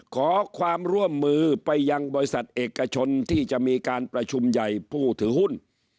ขอความร่วมมือไปยังบริษัทเอกชนที่จะมีการประชุมใหญ่ผู้ถือหุ้น